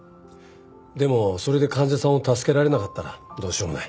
でもそれで患者さんを助けられなかったらどうしようもない。